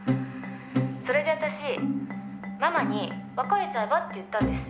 「それで私ママに別れちゃえばって言ったんです」